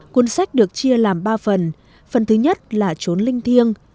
cuốn sách được chia làm ba phần phần thứ nhất là trốn linh thiêng